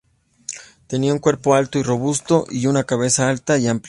Tenía un cuerpo alto y robusto y una cabeza alta y amplia.